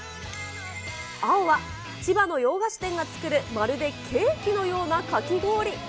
青は千葉の洋菓子店が作る、まるでケーキのようなかき氷。